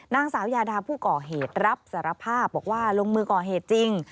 นางสาวยาดาผู้ก่อเหตุรับสารภาพบอกว่าลงมือก่อเหตุจริง